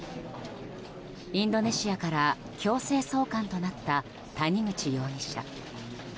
インドネシアから強制送還となった谷口容疑者。